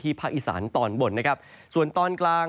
ก็จะมีการแผ่ลงมาแตะบ้างนะครับ